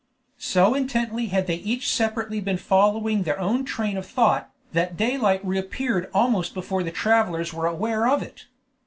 So intently had they each separately been following their own train of thought, that daylight reappeared almost before the travelers were aware of it.